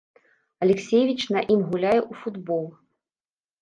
Алексіевіч на ім гуляе ў футбол.